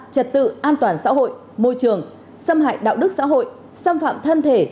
trật tự an toàn xã hội môi trường xâm hại đạo đức xã hội xâm phạm thân thể